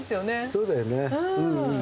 そうだよね。